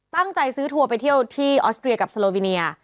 ตั้งใจซื้อทัวร์ไปเที่ยวที่ออสเตรียกับสโลวิเนีย